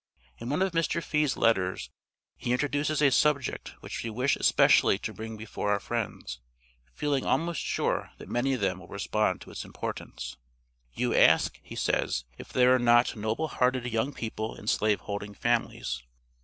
In one of Mr. Fee's letters he introduces a subject which we wish especially to bring before our friends, feeling almost sure that many of them will respond to its importance: "You ask, he says, if there are not noble hearted young people in slave holding families?